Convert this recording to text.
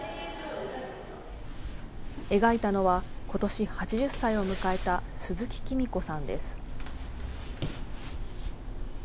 描いたのは、ことし８０歳を迎えた鈴木喜美子さんです。